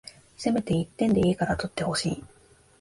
せめて一点でいいから取ってほしい